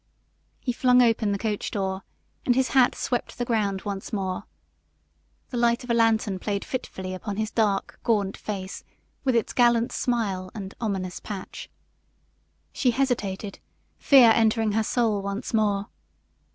He flung open the coach door, and his hat swept the ground once more. The light of a lantern played fitfully upon his dark, gaunt face, with its gallant smile and ominous patch. She hesitated, fear entering her soul once more.